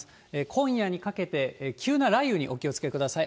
今夜にかけて、急な雷雨にお気をつけください。